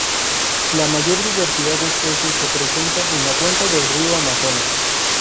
La mayor diversidad de especies se presenta en la cuenca del río Amazonas.